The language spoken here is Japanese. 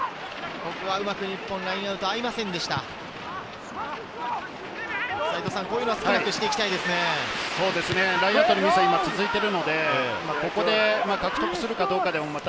ここはうまく日本ラインアウト合いませんでした。